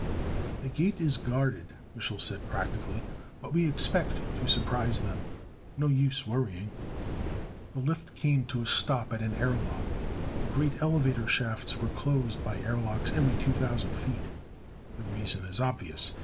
"The Gate is guarded," Mich'l said practically, "but we expect to surprise them. No use worrying." The lift came to a stop at an air lock. The great elevator shafts were closed by airlocks every 2,000 feet. The reason is obvious.